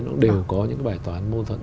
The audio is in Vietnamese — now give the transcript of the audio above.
nó đều có những bài toán mâu thuẫn